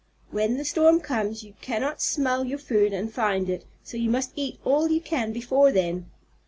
When the storm comes you cannot smell your food and find it, so you must eat all you can before then.